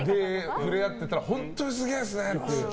触れ合っていたら本当にすげえっすね！